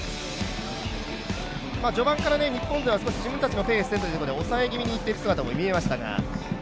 序盤から日本勢は少し自分たちのペースでというところで抑え気味にいっている姿も見えましたが。